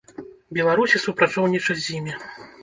Беларусі супрацоўнічаць з імі.